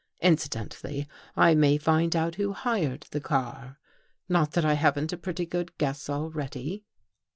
Incidentally, I may find out who hired the car. Not that I haven't a pretty good guess already."